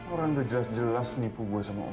orang udah jelas jelas nipu gue sama umat